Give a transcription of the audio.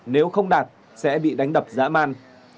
nếu không đạt sẽ bị đánh đập dã man